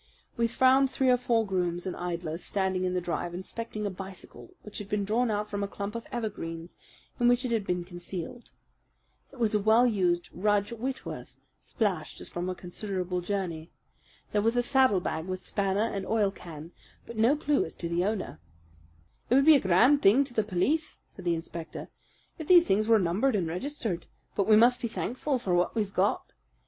We found three or four grooms and idlers standing in the drive inspecting a bicycle which had been drawn out from a clump of evergreens in which it had been concealed. It was a well used Rudge Whitworth, splashed as from a considerable journey. There was a saddlebag with spanner and oilcan, but no clue as to the owner. "It would be a grand help to the police," said the inspector, "if these things were numbered and registered. But we must be thankful for what we've got.